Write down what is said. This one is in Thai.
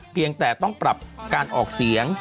เพียงแต่ต้องปรับการออกเสียง